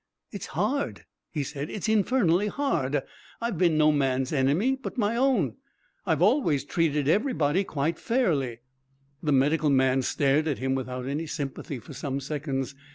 "It's hard," he said. "It's infernally hard! I've been no man's enemy but my own. I've always treated everybody quite fairly." The medical man stared at him without any sympathy for some seconds.